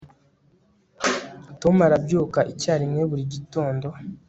tom arabyuka icyarimwe buri gitondo